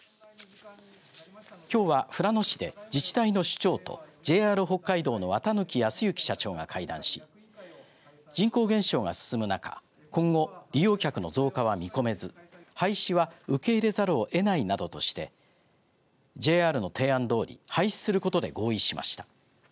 きょうは、富良野市で自治体の首長とＪＲ北海道の綿貫泰之社長が会談し人口減少が進む中今後利用客の増加は見込めず廃止は受け入れざるをえないなどとしてＪＲの提案どおり廃止することで合意しました。